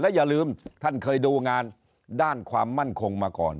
อย่าลืมท่านเคยดูงานด้านความมั่นคงมาก่อน